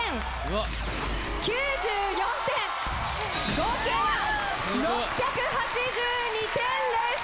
合計は６８２点です。